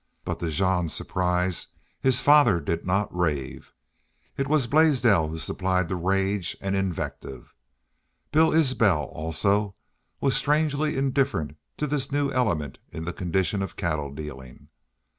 But, to Jean's surprise, his father did not rave. It was Blaisdell who supplied the rage and invective. Bill Isbel, also, was strangely indifferent to this new element in the condition of cattle dealing.